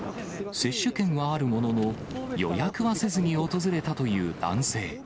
接種券はあるものの、予約はせずに訪れたという男性。